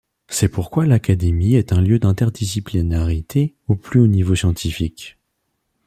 C'est pourquoi l'Académie est un lieu d'interdisciplinarité au plus haut niveau scientifique.